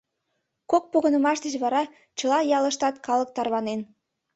Кок погынымаш деч вара чыла яллаштат калык тарванен.